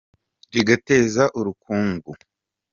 Rigateza urukungu